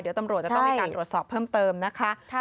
เดี๋ยวตำรวจจะต้องมีการตรวจสอบเพิ่มเติมนะคะ